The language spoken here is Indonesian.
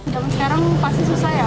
sekarang pasti susah ya